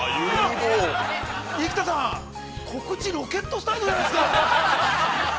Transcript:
◆生田さん、告知、ロケットスタートじゃないですか。